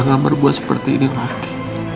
sampai jumpa lagi